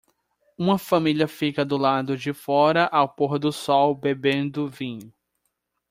Uma família fica do lado de fora ao pôr do sol bebendo vinho